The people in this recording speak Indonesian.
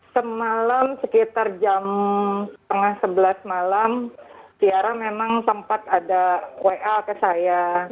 semalam sekitar jam setengah sebelas malam tiara memang sempat ada wa ke saya